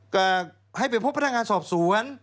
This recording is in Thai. ก็ให้ไปพบพนักงานสอบสวน